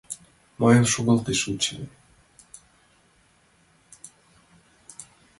Мыйым шогылтеш вучен